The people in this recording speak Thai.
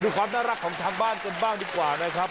ความน่ารักของทางบ้านกันบ้างดีกว่านะครับ